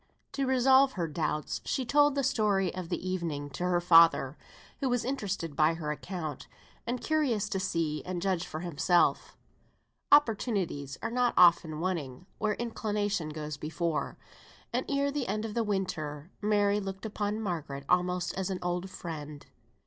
To resolve her doubts, she told the history of the evening to her father, who was interested by her account, and curious to see and judge for himself. Opportunities are not often wanting where inclination goes before, and ere the end of that winter Mary looked upon Margaret almost as an old friend.